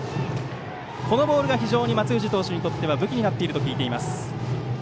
このボールが非常に松藤投手にとっては武器になっていると聞いています。